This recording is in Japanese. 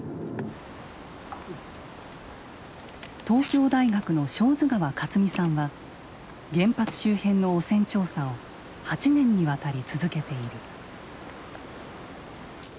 東京大学の小豆川勝見さんは原発周辺の汚染調査を８年にわたり続けている。